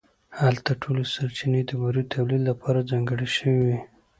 هلته ټولې سرچینې د بورې تولید لپاره ځانګړې شوې وې